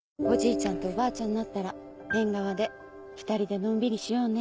ちゃんとおばあちゃんになったら縁側で２人でのんびりしようね。